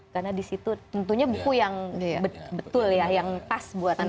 karena di situ tentunya buku yang betul ya yang pas buat anak anak